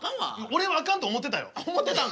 俺はあかんと思うてたよ。